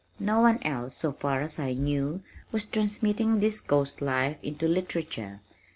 No one else, so far as I knew, was transmitting this Coast life into literature.